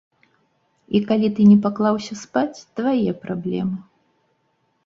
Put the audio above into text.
І калі ты не паклаўся спаць, твае праблемы.